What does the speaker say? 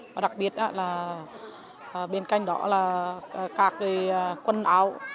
và đặc biệt là bên cạnh đó là các quần áo